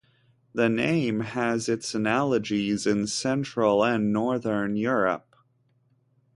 The name has its analogies in central and northern Europe.